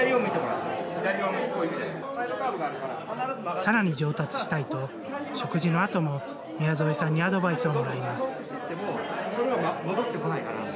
さらに上達したいと、食事のあとも宮副さんにアドバイスをもらいます。